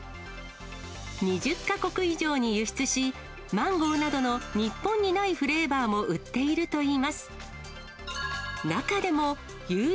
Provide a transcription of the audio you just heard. ２０か国以上に輸出し、マンゴーなどの日本にないフレーバーも売っているといいます。